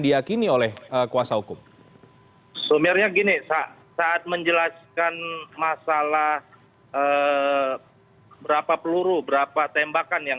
itu kuasa hukum sumirnya gini saat menjelaskan masalah eh berapa peluru berapa tembakan yang